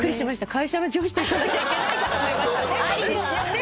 会社の上司と行かなきゃいけないかと思いました。